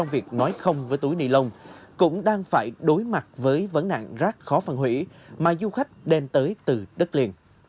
với túi nì lông cũng đang phải đối mặt với vấn nạn rác khó phân hủy mà du khách đem tới từ đất liền